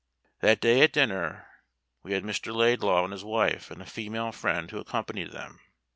That day at dinner, we had Mr. Laidlaw and his wife, and a female friend who accompanied them.